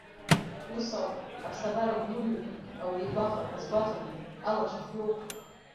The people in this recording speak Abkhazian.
Ус ауп, аԥсабара гәлымҩуп, ауаҩы игәаҟра азгәаҭом, алацәа хҩоуп.